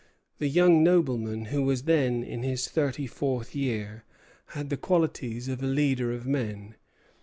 The young nobleman, who was then in his thirty fourth year, had the qualities of a leader of men.